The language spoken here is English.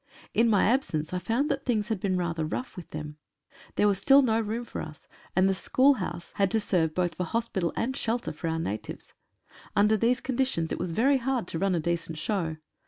In my absence I found that things had been rather rough with them. There was still no room for us, and the school house had to serve both for hospital and shelter for our natives Under these conditions it was very hard to run a decent show.